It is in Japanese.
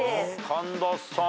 神田さん